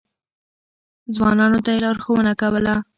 ځوانانو ته يې لارښوونه کوله.